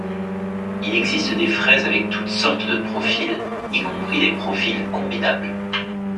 Il existe des fraises avec toutes sortes de profils, y compris des profils combinables.